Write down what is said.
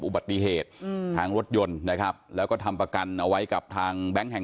อุบัติเหตุอืมทางรถยนต์นะครับแล้วก็ทำประกันเอาไว้กับทางแบงค์แห่ง